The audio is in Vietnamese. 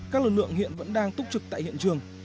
các lực lượng hiện vẫn đang túc trực tại hiện trường